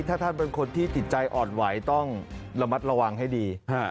ถ้าท่านเป็นคนที่ติดใจอ่อนไหวต้องระมัดระวังให้ดี